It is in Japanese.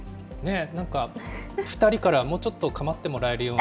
なんか、２人からもうちょっとかまってもらえるような。